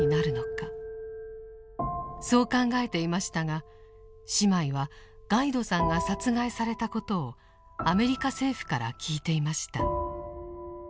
そう考えていましたが姉妹はガイドさんが殺害されたことをアメリカ政府から聞いていました。